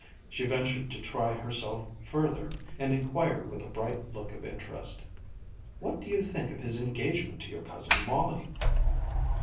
She ventured to try herself further, and inquired with a bright look of interest, "What do you think of his engagement to your cousin Molly?"